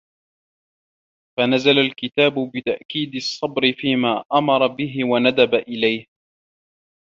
فَنَزَلَ الْكِتَابُ بِتَأْكِيدِ الصَّبْرِ فِيمَا أَمَرَ بِهِ وَنَدَبَ إلَيْهِ